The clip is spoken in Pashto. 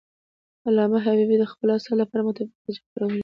علامه حبیبي د خپلو اثارو لپاره معتبري مراجع کارولي دي.